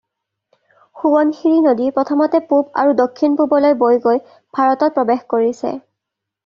সোৱণশিৰি নদী প্ৰথমতে পূব আৰু দক্ষিণ-পূবলৈ বৈ গৈ ভাৰতত প্ৰৱেশ কৰিছে।